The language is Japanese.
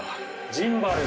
ジンバル？